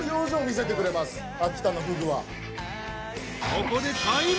［ここで］